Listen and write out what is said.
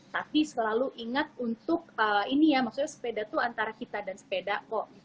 tapi selalu ingat untuk ini ya maksudnya sepeda tuh antara kita dan sepeda kok